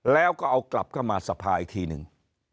แล้วก็เอากลับเข้ามาสภาอีกทีหนึ่ง